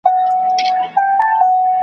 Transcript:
هغه لا تنکی ځوان و